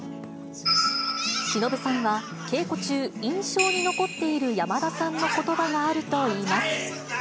しのぶさんは稽古中、印象に残っている山田さんのことばがあるといいます。